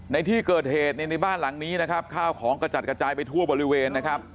ในที่เกิดเหตุในบ้านหลังนี้นะครับข้าวของกระจัดกระจายไปทั่วบริเวณนะครับ